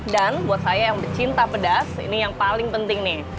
buat saya yang pecinta pedas ini yang paling penting nih